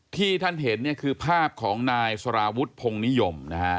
ที่ท่านเห็นเนี่ยคือภาพของนายสารวุฒิพงศ์นิยมนะฮะ